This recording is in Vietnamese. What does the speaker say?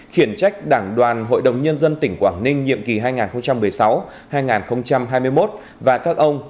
khiển trách đảng đoàn hội đồng nhân dân tỉnh quảng ninh nhiệm kỳ hai nghìn một mươi sáu hai nghìn hai mươi một và các ông